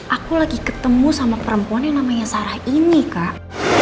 aku lagi ketemu sama perempuan yang namanya sarah ini kak